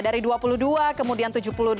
dari dua puluh dua kemudian tujuh puluh delapan